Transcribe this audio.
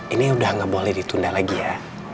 ini udah nggak boleh ditunda lagi ya